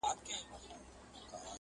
یو څه بېخونده د ده بیان دی!!